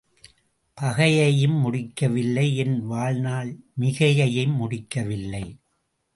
பகையையும் முடிக்கவில்லை என் வாழ்நாள் மிகையையும் முடிக்கவில்லை.